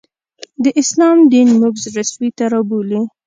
د اسلام دین موږ زړه سوي ته رابولي